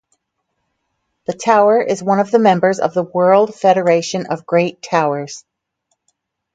The tower is one of the members of the World Federation of Great Towers.